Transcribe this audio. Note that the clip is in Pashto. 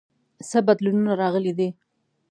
څه بدلونونه راغلي دي؟